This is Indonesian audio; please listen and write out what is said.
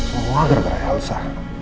semua gara gara elsa